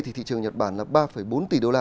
thì thị trường nhật bản là ba bốn tỷ đô la